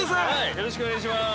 ◆よろしくお願いします。